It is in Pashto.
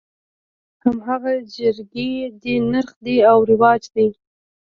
هماغه جرګې دي نرخ دى او رواج دى.